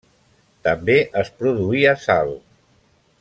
També es produïa sal.